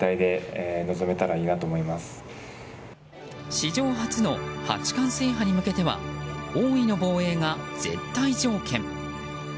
史上初の八冠制覇に向けては王位の防衛が絶対条件。